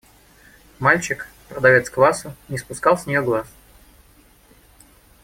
Мальчик, продавец квасу, не спускал с нее глаз.